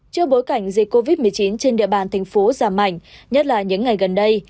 trước bối cảnh dịch covid một mươi chín trên địa bàn thành phố giảm mạnh nhất là những ngày gần đây